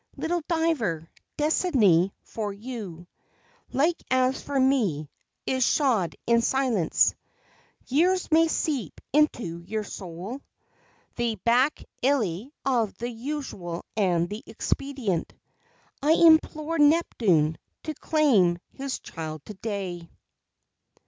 Little Diver, Destiny for you, Like as for me, is shod in silence; Years may seep into your soul The bacilli of the usual and the expedient; I implore Neptune to claim his child to day!